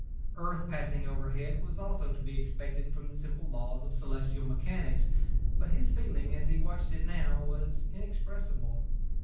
Earth passing overhead was also to be expected from the simple laws of celestial mechanics but his feeling as he watched it now was inexpressible.